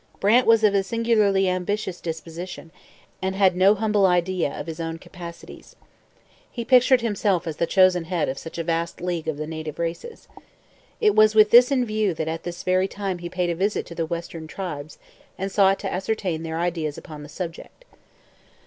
Brant was of a singularly ambitious disposition and had no humble idea of his own capacities. He pictured himself as the chosen head of such a vast league of the native races. It was with this in view that at this very time he paid a visit to the western tribes and sought to ascertain their ideas upon the subject.